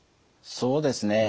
そうですね。